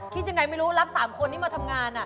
คิดยังไงไม่รู้รับ๓คนที่มาทำงาน